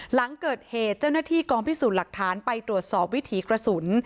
หลังเกิดเหตุเจ้าหน้าที่กองพิสูจน์หลักฐานไปตรวจสอบวิถีกระสุน